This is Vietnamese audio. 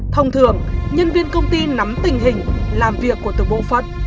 thông thường nhân viên công ty nắm tình hình làm việc của từng bộ phận